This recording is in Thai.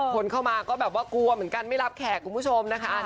คนเข้ามาก็แบบว่ากลัวเหมือนกันไม่รับแขกคุณผู้ชมนะคะ